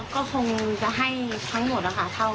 ก็คงจะให้ทั้งหมดนะคะ